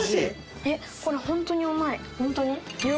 これホントにうまい。